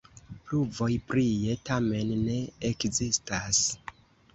Pruvoj prie tamen ne ekzistas.